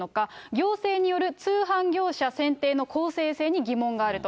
行政による通販業者選定の公正性に疑問があると。